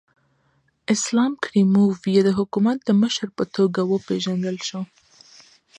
اسلام کریموف یې د حکومت د مشر په توګه وپېژندل شو.